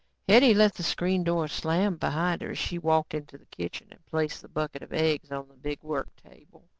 Hetty let the screen door slam behind her as she walked into the kitchen and placed the bucket of eggs on the big work table.